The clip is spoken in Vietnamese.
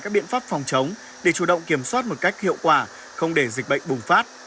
các biện pháp phòng chống để chủ động kiểm soát một cách hiệu quả không để dịch bệnh bùng phát